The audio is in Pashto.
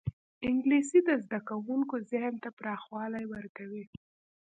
انګلیسي د زدهکوونکو ذهن ته پراخوالی ورکوي